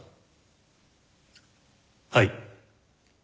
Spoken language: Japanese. はい。